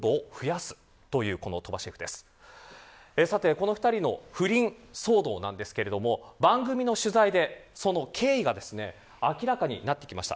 この２人の不倫騒動なんですが番組の取材でその経緯が明らかになってきました。